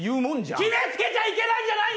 決めつけちゃいけないんじゃないの！？